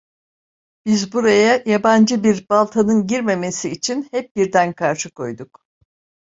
Biz buraya yabancı bir baltanın girmemesi için hep birden karşı koyduk.